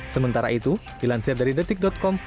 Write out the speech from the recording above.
sementara itu dilansir dari detik com